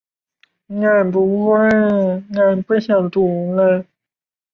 那天恰巧是法国国庆日。